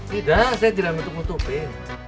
tidak saya tidak menutup nutupin